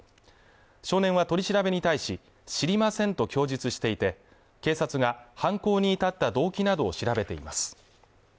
少年は取り調べに対し知りませんと供述していて警察が犯行に至った動機などを調べています